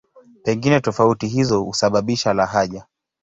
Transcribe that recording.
Pengine tofauti hizo husababisha lahaja.